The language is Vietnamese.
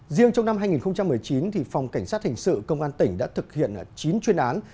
riêng trong năm hai nghìn một mươi chín phòng cảnh sát hình sự công an tỉnh đã thực hiện chín chuyên án